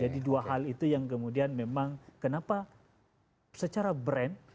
jadi dua hal itu yang kemudian memang kenapa secara brand